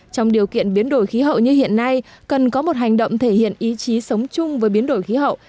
trong điều kiện biến đổi khí hậu như hiện nay cần có một hành động thể hiện ý chí sống chung với biến đổi khí hậu